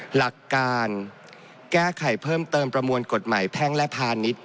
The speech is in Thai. หลักการแก้ไขเพิ่มเติมประมวลกฎหมายแพ่งและพาณิชย์